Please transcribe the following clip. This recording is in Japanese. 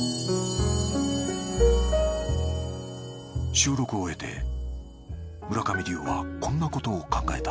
収録を終えて村上龍はこんなことを考えた